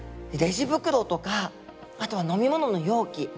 レジ袋とかあとは飲み物の容器